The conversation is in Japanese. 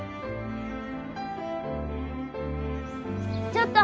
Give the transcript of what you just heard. ちょっと！